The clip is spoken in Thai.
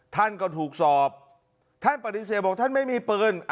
ท่านก็ถูกสอบท่านปฏิเสธบอกท่านไม่มีปืน